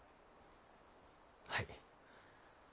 はい。